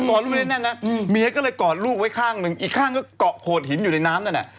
อดลูกไม่ได้แน่นนะเมียก็เลยกอดลูกไว้ข้างหนึ่งอีกข้างก็เกาะโขดหินอยู่ในน้ำนั่นน่ะ